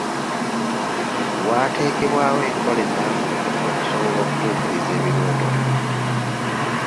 Waateekebwawo enkola ennambulukufu okusobola okutuukiriza ebirooto bino.